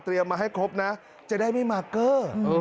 เตรียมมาให้ครบนะจะได้ไม่มาเกอร์